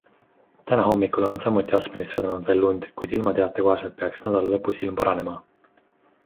Täna hommikul on samuti Aspenis sadanud veel lund, kuid ilmateate kohaselt peaks nädala lõpus ilm paranema.